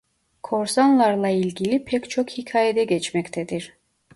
Korsanlarla ilgili pek çok hikayede geçmektedir.